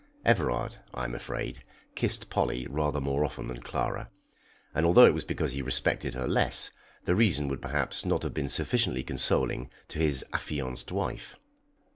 Everard, I am afraid, kissed Polly rather more often than Clara, and although it was because he respected her less, the reason would perhaps not have been sufficiently consoling to his affianced wife.